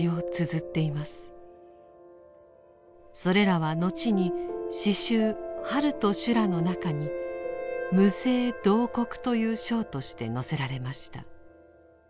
それらは後に詩集「春と修羅」の中に「無声慟哭」という章として載せられました。